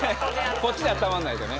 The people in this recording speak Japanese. こっちであったまんないと。